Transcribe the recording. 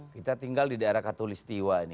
kita tinggal di daerah katolik setiwa ini